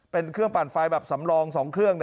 เป็นเครื่องปั่นไฟแบบสำรอง๒เครื่อง